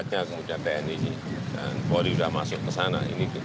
dari bikin bangunannya pak pantainya masih terdampak